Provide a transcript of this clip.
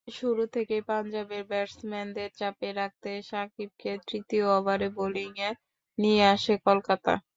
শুরু থেকেই পাঞ্জাবের ব্যাটসম্যানদের চাপে রাখতে সাকিবকে তৃতীয় ওভারে বোলিংয়ে নিয়ে আসে কলকাতা।